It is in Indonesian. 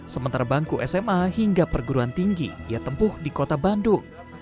sementara bangku sma hingga perguruan tinggi ia tempuh di kota bandung